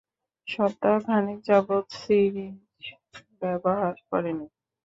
সপ্তাখানেক যাবত সিরিঞ্জ ব্যবহার করেনি।